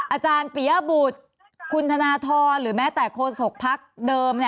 อาจารย์ปียบุตรคุณธนทรหรือแม้แต่โฆษกภักดิ์เดิม